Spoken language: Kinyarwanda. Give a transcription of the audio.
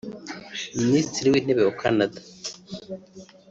Minisitiri w’Intebe wa Canada